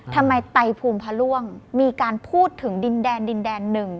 ทำไมไตรภูมิพระร่วงมีการพูดถึงดินแดนหนึ่ง